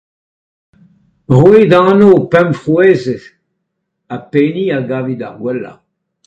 Roit anv pemp frouezhenn ha pehini a gavit ar gwellañ ?